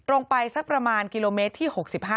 ลงไปสักประมาณกิโลเมตรที่๖๕